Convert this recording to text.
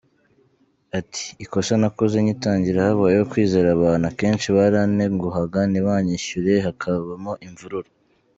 Ati “Ikosa nakoze ngitangira habayeho kwizera abantu, akenshi barantenguhaga ntibanyishyure bikabamo imvururu.